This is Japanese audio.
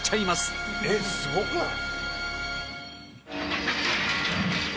伊達：すごくない？